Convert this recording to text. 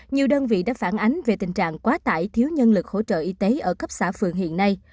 nhiều đơn vị đã phản ánh về tình trạng quá tải thiếu nhân lực hỗ trợ y tế ở cấp xã phường hiện nay